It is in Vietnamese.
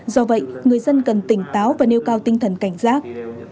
do vậy người dân cần tỉnh táo và nêu cao tinh thần cảnh giác